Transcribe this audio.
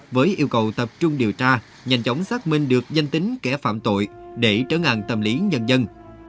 với yêu cầu tập trung điều tra nhanh chóng xác minh được danh tính kẻ phạm tội để trở ngại tâm lý nhân dân